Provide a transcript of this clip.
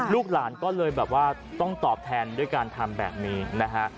ลูกหลานก็เลยแบบว่าต้องตอบแทนด้วยการทำแบบนี้นะฮะ